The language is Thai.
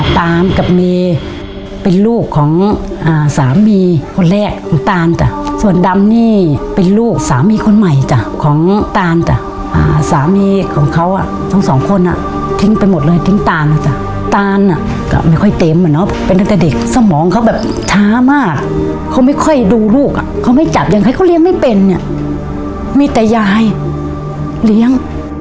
ตานกับเมย์เป็นลูกของอ่าสามีคนแรกของตานจ้ะส่วนดำนี่เป็นลูกสามีคนใหม่จ้ะของตานจ้ะสามีของเขาอ่ะทั้งสองคนอ่ะทิ้งไปหมดเลยทิ้งตานเลยจ้ะตานอ่ะก็ไม่ค่อยเต็มอ่ะเนอะเป็นตั้งแต่เด็กสมองเขาแบบช้ามากเขาไม่ค่อยดูลูกอ่ะเขาไม่จับยังไงเขาเลี้ยงไม่เป็นเนี่ยมีแต่ยายเลี้ยง